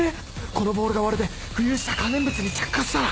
このボールが割れて浮遊した可燃物に着火したら